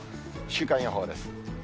週間予報です。